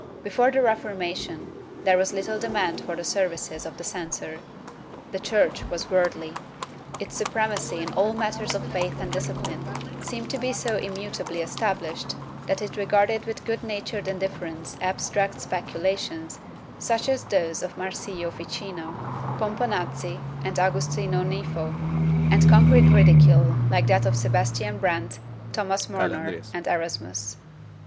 Before the Reformation there was little demand for the services of the censor. The Church was worldly; its supremacy in all matters of faith and discipline seemed to be so immutably established that it regarded with good natured indif ference abstract speculations such as those of Marsiglio Ficino, Pomponazzi and Agustino Nifo, and concrete ridicule like that of Sebastian Brandt, Thomas Murner and Erasmus.